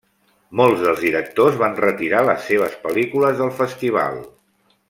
Molts dels directors van retirar les seves pel·lícules del festival.